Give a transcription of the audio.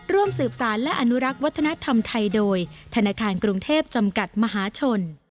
ร่วมสืบสารและอนุรักษ์วัฒนธรรมไทยโดยธนาคารกรุงเทพจำกัดมหาชน